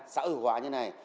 xã hội hóa như này